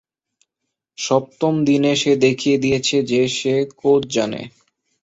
সপ্তম দিনে সে দেখিয়ে দিয়েছে যে সে কোজ জানে।